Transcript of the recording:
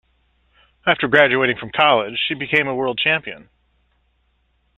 After graduating from college, she became a world champion.